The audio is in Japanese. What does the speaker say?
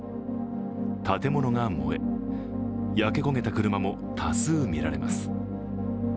建物が燃え焼け焦げた車も多数見られます。